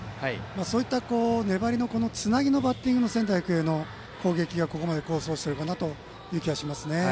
そういった粘りのつなぎのバッティングの仙台育英の攻撃がここまで功を奏している気がします。